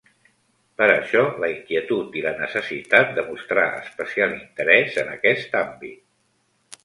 Per això la inquietud i la necessitat de mostrar especial interès en aquest àmbit.